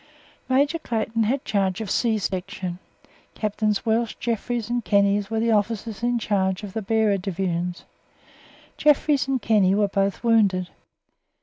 Major Clayton had charge of C Section; Captains Welch, Jeffries and Kenny were the officers in charge of the Bearer Divisions. Jeffries and Kenny were both wounded.